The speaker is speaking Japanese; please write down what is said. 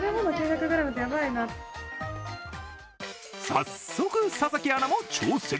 早速、佐々木アナも挑戦。